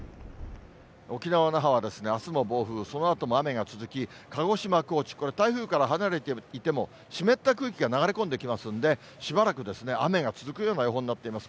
沖縄・那覇は、あすも暴風、そのあとも雨が続き、鹿児島、高知、これ、台風から離れていても、湿った空気が流れ込んできますんで、しばらく雨が続くような予報になっています。